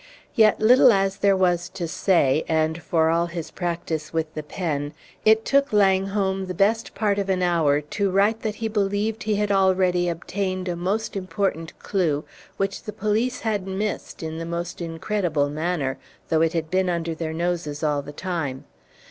Yet, little as there was to say, and for all his practice with the pen, it took Langholm the best part of an hour to write that he believed he had already obtained a most important clew, which the police had missed in the most incredible manner, though it had been under their noses all the time.